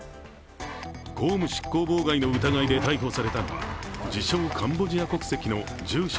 公務執行妨害の疑いで逮捕されたのは、自称カンボジア国籍の住所